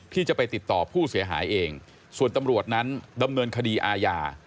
ที่จะไปติดต่อผู้เสียหายเองส่วนตำรวจนั้นดำเนินคดีอาญา